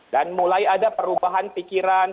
dan mulai ada perubahan pikiran